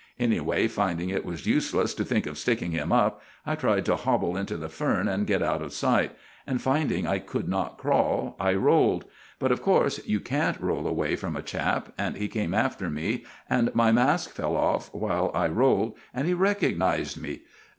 Anyway, finding it was useless to think of sticking him up, I tried to hobble into the fern and get out of sight; and finding I couldn't crawl, I rolled. But of course you can't roll away from a chap, and he came after me, and my mask fell off while I rolled, and he recognized me.